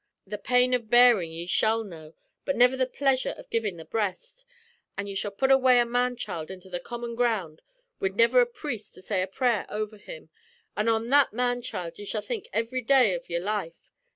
The pain of bearin' ye shall know, but niver the pleasure of givin' the breast; an' you shall put away a man child into the common ground wid niver a priest to say a prayer over him, an' on that man child ye shall think ivry day av your life.